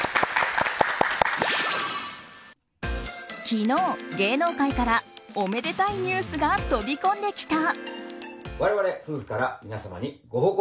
昨日、芸能界からおめでたいニュースが飛び込んできた。